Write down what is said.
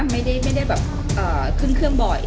ไม่ได้ไม่ได้แบบอ่าขึ้นเครื่องบ่อย